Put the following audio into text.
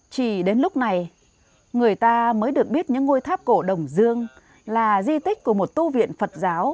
chỉ đến lúc này người ta mới được biết những ngôi tháp cổ đồng dương là di tích của một tu viện phật giáo